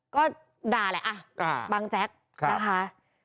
ก็ด่าแหละบางแจ๊กนะคะ